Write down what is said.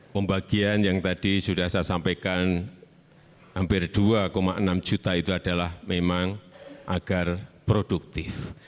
pembagian yang tadi sudah saya sampaikan hampir dua enam juta itu adalah memang agar produktif